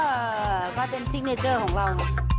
เออเพราะเป็นซิกเนเจอร์ของเรา